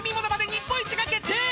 日本一が決定！